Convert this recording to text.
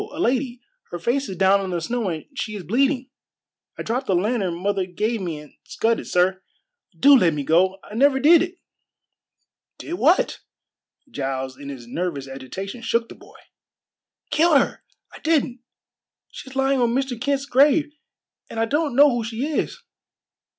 A lady. Her face is down in the snow, and she is bleeding. I dropped the lantern mother gave me and scudded, sir. Do let me go! I never did it!" "Did what?" Giles in his nervous agitation shook the boy. "Killed her! I didn't! She's lying on Mr. Kent's grave, and I don't know who she is."